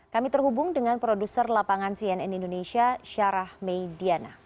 kami terhubung dengan produser lapangan cnn indonesia syarah mei diana